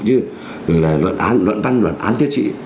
như là luận tăng luận án tiến trị